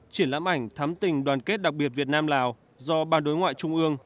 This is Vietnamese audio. triển lãm ảnh thắm tình đoàn kết đặc biệt việt nam lào do ban đối ngoại trung ương